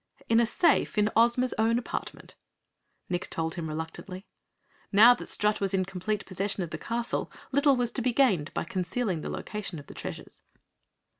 "In a safe in Ozma's own apartment," Nick told him, reluctantly. Now that Strut was in complete possession of the castle, little was to be gained by concealing the location of the treasures.